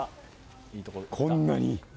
こんなに！